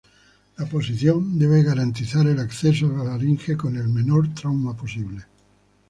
La posición debe garantizar el acceso a la laringe con el menor trauma posible.